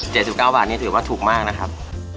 เจ็ดสิบเก้าบาทนี้ถือว่าถูกมากนะครับ